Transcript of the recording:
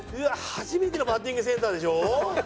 「初めてのバッティングセンター」でしょ？